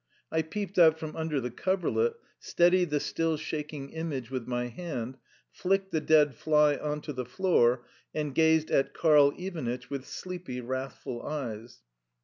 I peeped out from under the coverlet, steadied the still shaking image with my hand, flicked the dead fly on to the floor, and gazed at Karl Ivanitch with sleepy, wrathful eyes.